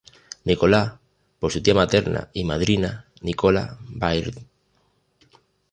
Nicolás por su tía materna y madrina, Nicola Baird.